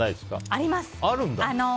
あります。